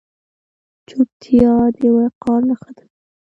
چوپتیا، د وقار نښه ده.